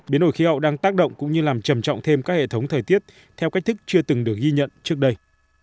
biến đổi khí hậu đang tác động cũng như làm trầm trọng thêm các hệ thống thời tiết theo cách thức chưa từng được ghi nhận trước đây